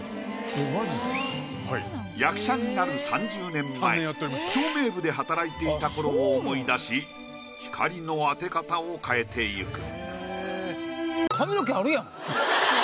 役者になる３０年前照明部で働いていた頃を思い出し光の当て方を変えていく。